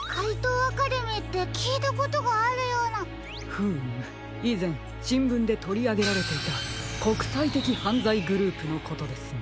フームいぜんしんぶんでとりあげられていたこくさいてきはんざいグループのことですね。